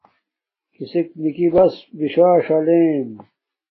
کِسݵک نِکِݵ بس بِسݸݽݵک لݵئم.